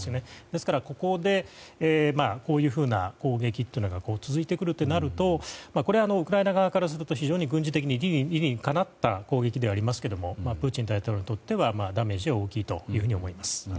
ですから、ここでこういう攻撃が続くとなるとウクライナ側からすると非常に軍事的に理にかなった攻撃ですがプーチン大統領にとってはダメージは大きいと思います。